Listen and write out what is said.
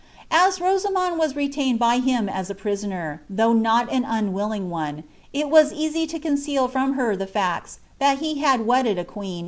Aa KMamond was retained by him as a prisoner, though not an nawilUng one, it was cosy to conceal from her the facts, tliat he had wmUhI a quetn.